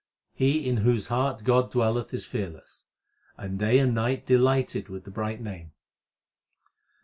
He in whose heart God dwelleth is fearless, And day and night delighted with the bright Name.